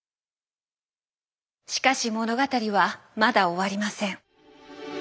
しかし物語はまだ終わりません。